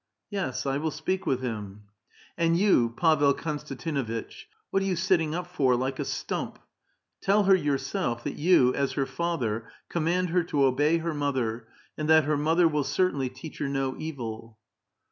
'^ Yes, I will speak with him." " And yon, Pavel Konstantinuitch, what are you sitting up for like a stump ! Tell her yourself that you, as her father, command her to obey her mother, and that her mother w^U certainly teach her no evil."